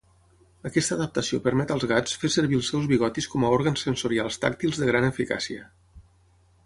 Aquesta adaptació permet als gats fer servir els seus bigotis com a òrgans sensorials tàctils de gran eficàcia.